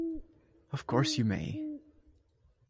Of course you may.